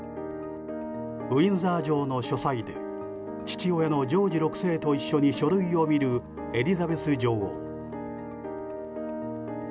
ウィンザー城の書斎で父親のジョージ６世と一緒に書類を見るエリザベス女王。